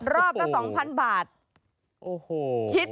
รอบละ๒๐๐๐บาท